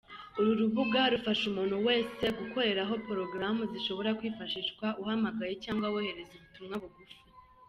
Uru rubuga rufasha umuntu wese gukoreraho porogaramu zishobora kwifashishwa uhamagaye cyangwa wohereza ubutumwa bugufi.